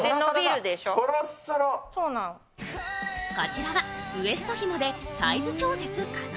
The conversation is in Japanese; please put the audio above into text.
こちらはウエストひもでサイズ調節可能。